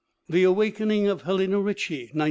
The Awakening of Helena Richie, 1906.